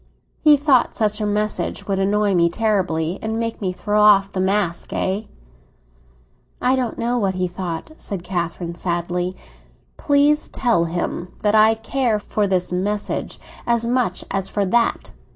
"He thought such a message would annoy me terribly, and make me throw off the mask, eh?" "I don't know what he thought," said Catherine wearily. "Please tell him that I care for his message as much as for that!"